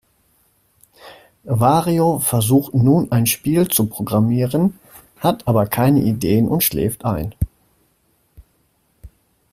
Wario versucht nun ein Spiel zu programmieren, hat aber keine Ideen und schläft ein.